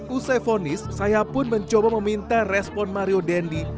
usai vonis saya pun mencoba meminta respon mario dendi